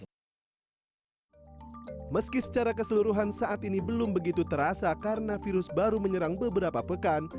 meski secara keseluruhan saat ini belum begitu terasa karena virus baru menyerang beberapa pekan